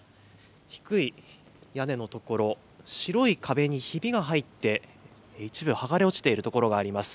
低い屋根の所、白い壁にひびが入って、一部剥がれ落ちている所があります。